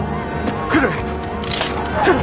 来る！